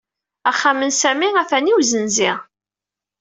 Axxam n Sami atan i ussenzi.